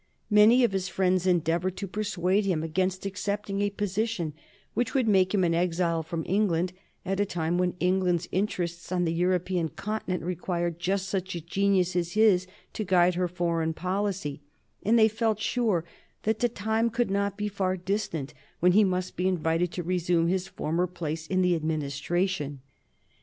Many of his friends endeavored to persuade him against accepting a position which would make him an exile from England at a time when England's interests on the European continent required just such a genius as his to guide her foreign policy, and they felt sure that the time could not be far distant when he must be invited to resume his former place in the Administration.